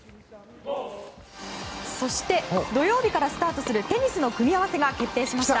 そして、土曜日からスタートするテニスの組み合わせが決定しました。